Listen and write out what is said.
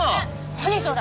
何それ。